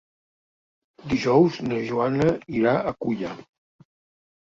Dijous na Joana irà a Culla.